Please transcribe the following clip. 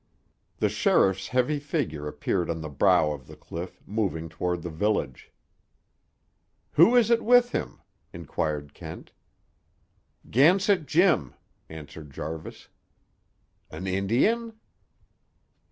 The sheriff's heavy figure appeared on the brow of the cliff, moving toward the village. "Who is it with him?" inquired Kent. "Gansett Jim," answered Jarvis. "An Indian?"